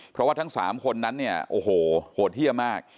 เพราะว่าทั้ง๓คนนั้นเนี่ยโอ้โหโหดเยี่ยมมาก